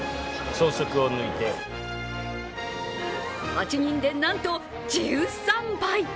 ８人で、なんと１３杯。